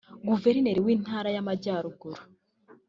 Guverineri w’intara y’Amjyaruguru